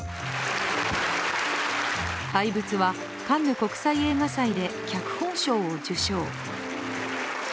「怪物」は、カンヌ国際映画祭で脚本賞を受賞。